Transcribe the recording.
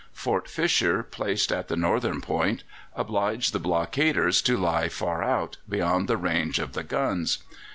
Fort Fisher, placed at the northern point, obliged the blockaders to lie far out, beyond the range of the guns.